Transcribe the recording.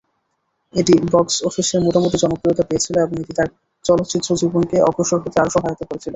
এটি বক্স-অফিসে মোটামুটি জনপ্রিয়তা পেয়েছিল এবং এটি তাঁর চলচ্চিত্র জীবনকে অগ্রসর হতে আরও সহায়তা করেছিল।